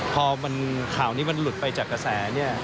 พอข่าวนี้มันหลุดไปจากกระแสเนี่ย